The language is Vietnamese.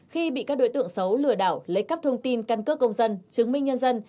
khi bị các đối tượng xấu lừa đảo lấy cắp thông tin căn cước công dân chứng minh nhân dân